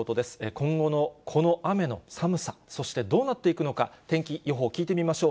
今後のこの雨の寒さ、そして、どうなっていくのか、天気予報聞いてみましょう。